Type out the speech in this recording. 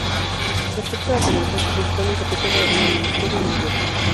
Respecto a la televisión, participó en un capítulo en "El ministerio del tiempo".